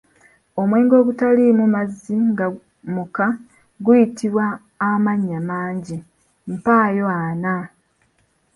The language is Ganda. Omwenge ogutaliimu mazzi nga muka guyitibwa amannya mangi, mpaayo ana?